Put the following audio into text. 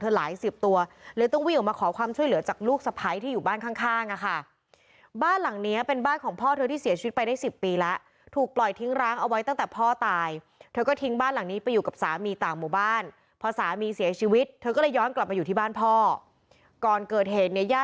หลายสิบตัวเลยต้องวิ่งออกมาขอความช่วยเหลือจากลูกสะพ้ายที่อยู่บ้านข้างข้างอ่ะค่ะบ้านหลังเนี้ยเป็นบ้านของพ่อเธอที่เสียชีวิตไปได้สิบปีแล้วถูกปล่อยทิ้งร้างเอาไว้ตั้งแต่พ่อตายเธอก็ทิ้งบ้านหลังนี้ไปอยู่กับสามีต่างหมู่บ้านพอสามีเสียชีวิตเธอก็เลยย้อนกลับมาอยู่ที่บ้านพ่อก่อนเกิดเหตุเนี่ยย่า